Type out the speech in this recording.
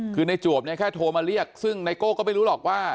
คือในจวบเนี่ยแค่โทรมาเรียกซึ่งไนโก้ก็ไม่รู้หรอกว่า